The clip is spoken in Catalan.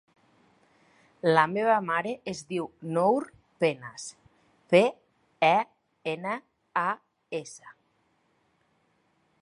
La meva mare es diu Nour Penas: pe, e, ena, a, essa.